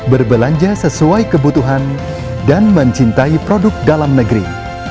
berbelanja sesuai kebutuhan dan mencintai produk dalam negeri